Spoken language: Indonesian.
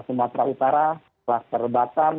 sumatera utara klaster batam